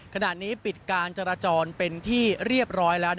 ขณะนี้ปิดการจราจรเป็นที่เรียบร้อยแล้ว